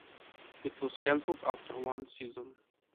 It was cancelled after one season.